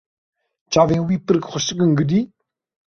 Çavên wê pir xweşik in gidî.